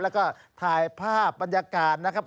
แล้วก็ถ่ายภาพบรรยากาศนะครับ